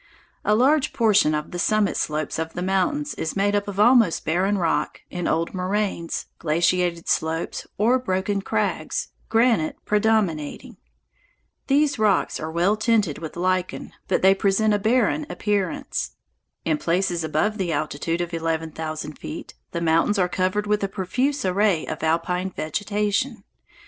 A large portion of the summit slopes of the mountains is made up of almost barren rock, in old moraines, glaciated slopes, or broken crags, granite predominating. These rocks are well tinted with lichen, but they present a barren appearance. In places above the altitude of eleven thousand feet the mountains are covered with a profuse array of alpine vegetation.